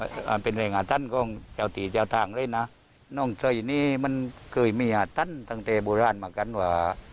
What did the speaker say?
ถึงไปไหนเลยฟังไปไหนบ้างนี่